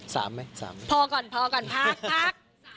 สามไหมสามพอก่อนพอก่อนพักพัก